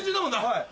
はい。